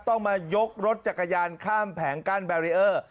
ต้องมายกรถจักรยานข้ามแผงกั้นแบรีเออร์